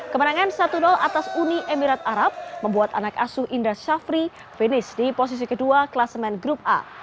kemenangan satu atas uni emirat arab membuat anak asuh indra syafri finish di posisi kedua kelas main grup a